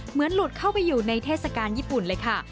หลุดเข้าไปอยู่ในเทศกาลญี่ปุ่นเลยค่ะ